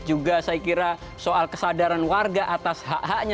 juga saya kira soal kesadaran warga atas hak haknya